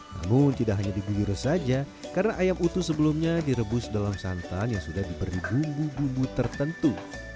namun tidak hanya diguyur saja karena ayam utuh sebelumnya direbus dalam santan yang sudah diberi bumbu bumbu tertentu